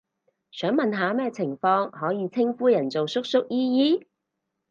想問下咩情況可以稱呼人做叔叔姨姨？